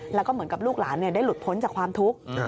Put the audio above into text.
แล้วก็เหมือนกับลูกหลานได้หลุดพ้นจากความทุกข์